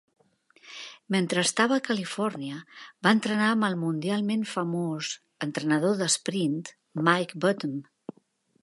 Mentre estava a Califòrnia, va entrenar amb el mundialment famós entrenador d'esprint, Mike Bottom.